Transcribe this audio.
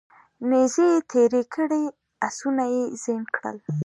نیزې یې تیرې کړې اسونه یې زین کړل